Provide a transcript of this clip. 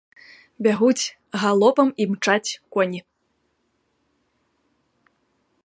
Бягуць, галопам імчаць коні.